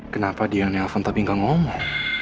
kenapa dia nelfon tapi gak ngomong